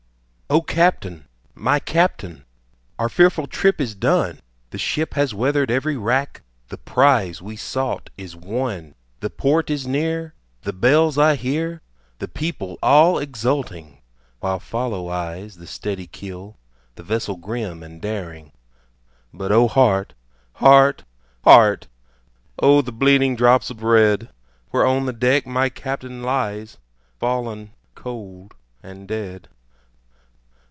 O CAPTAIN! my Captain, our fearful trip is done, The ship has weather'd every rack, the prize we sought is won, The port is near, the bells I hear, the people all exulting, While follow eyes the steady keel, the vessel grim and daring; But O heart! heart! heart! O the bleeding drops of red, Where on the deck my Captain lies, Fallen cold and dead.